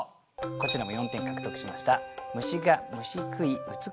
こちらも４点獲得しました。